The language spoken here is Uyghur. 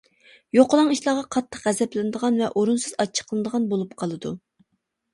يوقىلاڭ ئىشلارغا قاتتىق غەزەپلىنىدىغان ۋە ئورۇنسىز ئاچچىقلىنىدىغان بولۇپ قالىدۇ.